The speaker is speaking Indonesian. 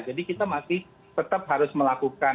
jadi kita masih tetap harus melakukan